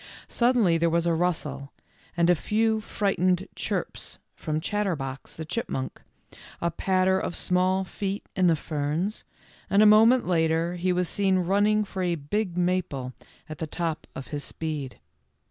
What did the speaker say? Suddenly there was a rustle, and a few frightened "chirps" from Chatterbox, the chipmunk, a patter of small feet in the ferns, and a moment later he was seen running for a big maple at the top of his speed.